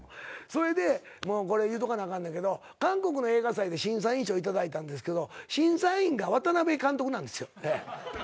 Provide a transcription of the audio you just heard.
それでもうこれ言うとかなあかんねんけど韓国の映画祭で審査員賞頂いたんですけど審査員が渡辺監督なんですよ。